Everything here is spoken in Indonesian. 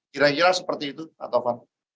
kira kira seperti itu pak tovan